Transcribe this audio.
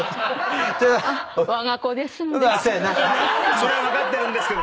それは分かってるんですけど。